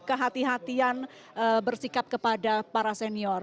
kehati hatian bersikap kepada para senior